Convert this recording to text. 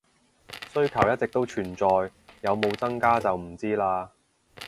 需求一直都存在，有冇增加就唔知喇